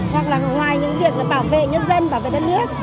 hoặc là ngoài những việc bảo vệ nhân dân bảo vệ đất nước